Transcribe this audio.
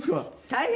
大変。